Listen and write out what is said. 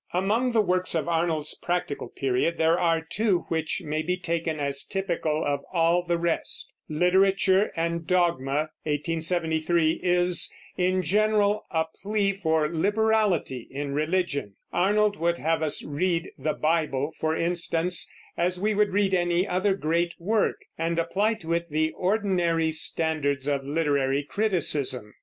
Among the works of Arnold's practical period there are two which may be taken as typical of all the rest. Literature and Dogma (1873) is, in general, a plea for liberality in religion. Arnold would have us read the Bible, for instance, as we would read any other great work, and apply to it the ordinary standards of literary criticism.